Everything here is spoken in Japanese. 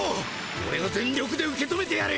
オレが全力で受け止めてやる。